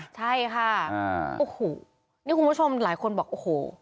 ใช่ค่ะโอ้โหนี่คุณผู้ชมหลายคนบอกโอ้โห